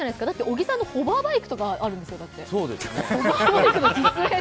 だって小木さんのホバーバイクの実演とかあるんですよ。